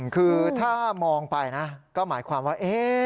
คือถ้ามองไปนะก็หมายความว่า